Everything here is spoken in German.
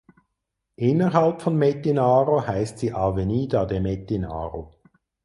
Innerhalb von Metinaro heißt sie "Avenida de Metinaro".